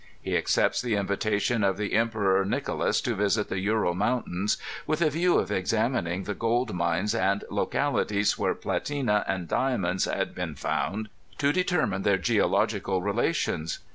He accepts the invitation of the Emperor Nicho las to visit the Ural Mountains, with a view of examining the gold mines and localities where platina and diamonds had been found, to determine their geological relations.